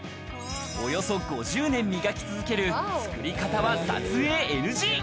およそ５０年磨き続ける作り方は撮影ＮＧ。